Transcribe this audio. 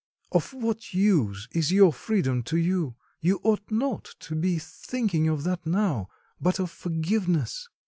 Of what use is your freedom to you? You ought not to be thinking of that now, but of forgiveness."